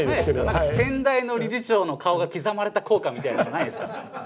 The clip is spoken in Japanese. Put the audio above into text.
何か先代の理事長の顔が刻まれた硬貨みたいなのないですか？